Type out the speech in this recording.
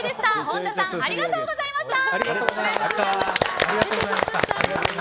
本田さんありがとうございました。